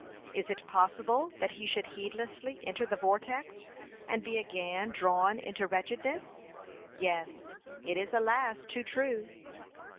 Is it possible that he should heedlessly enter the vortex, and be again drawn into wretchedness? Yes; it is alas too true.